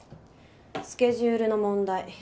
スケジュールの問題。